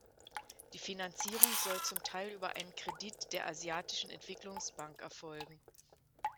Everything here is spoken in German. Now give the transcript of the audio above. Die Finanzierung soll zum Teil über einen Kredit der Asiatischen Entwicklungsbank erfolgen.